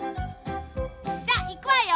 じゃあいくわよ。